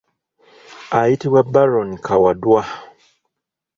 Ayitibwa Byron Kawadwa .